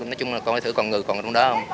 nói chung là coi thử còn ngừ còn ở trong đó không